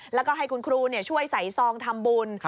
แล้วก็ให้คุณครูช่วยใส่ซองทำบุญ